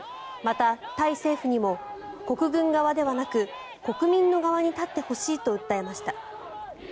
また、タイ政府にも国軍側ではなく国民の側に立ってほしいと訴えました。